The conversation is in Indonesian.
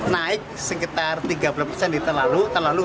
naik sekitar tiga belas di terlalu terlalu satu enam